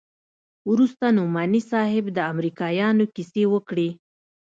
وروسته نعماني صاحب د امريکايانو کيسې وکړې.